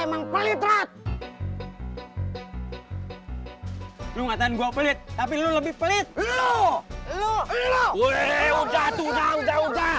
emang pelit rot lu ngatain gua pelit tapi lu lebih pelit lu lu lu udah udah udah udah